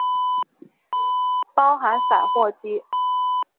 包含散货机。